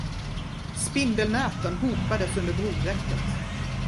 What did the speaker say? Spindelnäten hopades under broräcket.